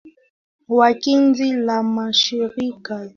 wa kundi la mashirika ya maendeleo ya Umoja wa Mataifa